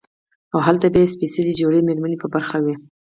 او هلته به ئې سپېڅلې جوړې ميرمنې په برخه وي